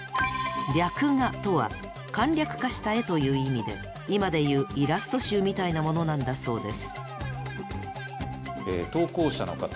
「略画」とは簡略化した絵という意味で今で言うイラスト集みたいなものなんだそうです。